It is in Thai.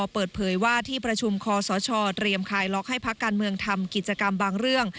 เปิดเผยว่าที่ประชุมคอสชเตรียมคลายล็อกให้พักการเมืองทำกิจกรรมบางเรื่อง